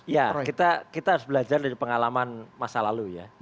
ya kita harus belajar dari pengalaman masa lalu ya